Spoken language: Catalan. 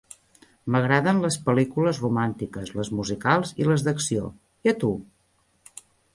M'agraden les pel·lícules romàntiques, les musicals i les d'acció. I a tu?